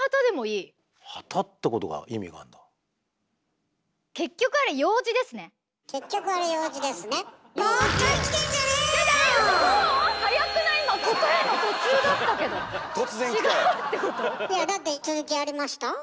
いやだって続きありました？